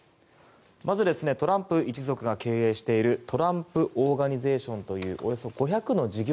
まずトランプ一族が経営しているトランプ・オーガニゼーションというおよそ５００の事業